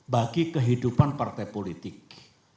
bagi kehidupan partai politik